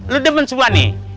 lu demen semua nih